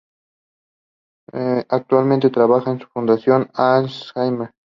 Actualmente trabaja en su fundación de Alzheimer.